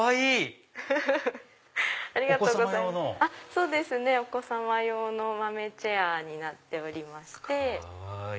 そうですねお子様用のまめチェアになっておりまして。